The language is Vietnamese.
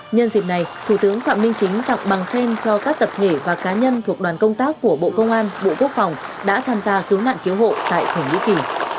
nhân dịp này thủ tướng phạm minh chính tặng bằng khen cho các tập thể và cá nhân thuộc đoàn công tác của bộ công an bộ quốc phòng đã tham gia cứu nạn cứu hộ tại thổ nhĩ kỳ